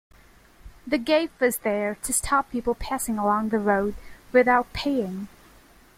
The gate was there to stop people passing along the road without paying.